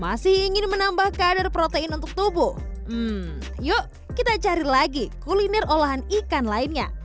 masih ingin menambah kadar protein untuk tubuh yuk kita cari lagi kuliner olahan ikan lainnya